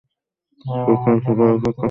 তোর কাছে সিগারেটের টাকা হবে?